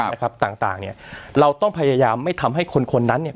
นะครับต่างต่างเนี้ยเราต้องพยายามไม่ทำให้คนคนนั้นเนี่ย